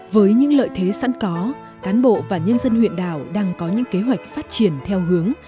với những lợi thế sẵn có cán bộ và nhân dân huyện đảo đang có những kế hoạch phát triển theo hướng